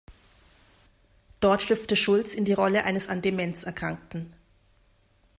Dort schlüpfte Schulz in die Rolle eines an Demenz Erkrankten.